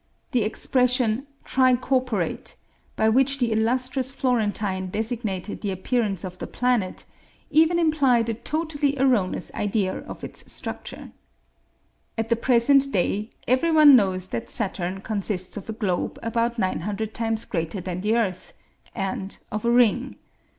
The expression "tri corporate," by which the illustrious Florentine designated the appearance of the planet, even implied a totally erroneous idea of its structure. At the present day every one knows that Saturn consists of a globe about nine hundred times greater than the earth, and of a ring.